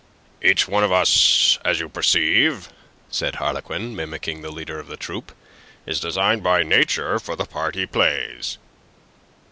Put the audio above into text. "Each one of us, as you perceive," said Harlequin, mimicking the leader of the troupe, "is designed by Nature for the part he plays."